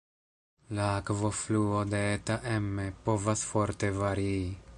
La akvofluo de Eta Emme povas forte varii.